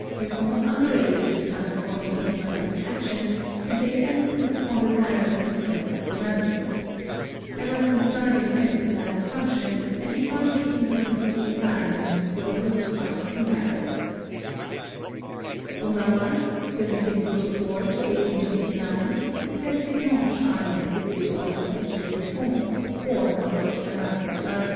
Buffon underrated the transforming influence of action, and laid emphasis upon the direct influence of surround ings; Erasmus Darwin emphasized function, and re 296 BIOLOGY garded the influence of the environment as for the most part indirect On Lamarck (1744 1829) success did not shine as it did on the Comte de Buffon or on Dr. Erasmus Dar win.